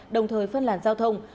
đồng thời phân làn giao thông